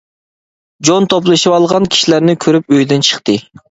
جون توپلىشىۋالغان كىشىلەرنى كۆرۈپ ئۆيدىن چىقتى.